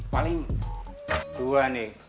paling dua nih